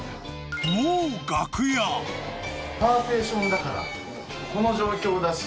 もう楽屋パーティションだからこの状況だし。